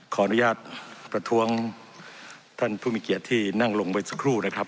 ขออนุญาตประท้วงท่านผู้มีเกียรติที่นั่งลงไปสักครู่นะครับ